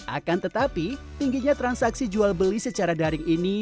akan tetapi tingginya transaksi jual beli secara daring ini